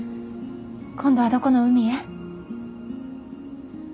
今度はどこの海へ？